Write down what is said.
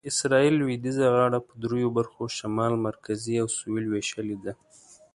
اسرایل لویدیځه غاړه په دریو برخو شمال، مرکزي او سویل وېشلې ده.